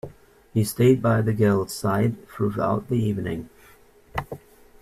He stayed by the girl's side throughout the evening.